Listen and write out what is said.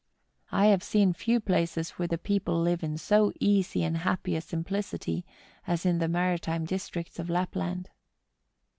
I have seen few places where the people live in so easy and happy a simplicity as in tlie mari¬ time districts of Lapland.